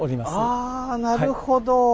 ああなるほど。